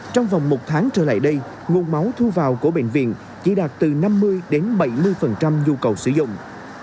trong vòng một tháng trở lại đây nguồn máu thu vào của bệnh viện chỉ đạt từ năm mươi đến bảy mươi nhu cầu sử dụng